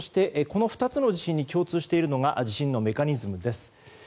この２つに共通しているのが地震のメカニズムです。